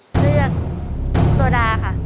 เลือกโซดาค่ะ